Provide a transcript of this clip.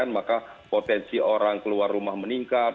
maka potensi orang keluar rumah meningkat